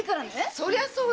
そりゃそうだよ！